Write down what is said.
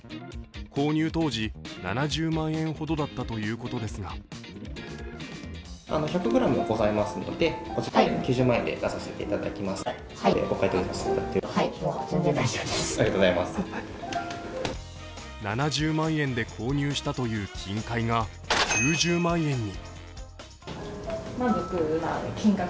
購入当時、７０万円ほどだったということですが７０万円で購入したという金塊が９０万円に。